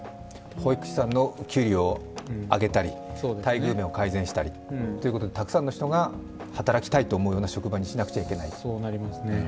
保育士さんの給料を上げたり、待遇面を改善したりということで、たくさんの人が働きたいと思うような職場にしなくちゃいけない。